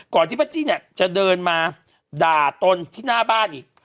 ที่ป้าจี้เนี่ยจะเดินมาด่าตนที่หน้าบ้านอีก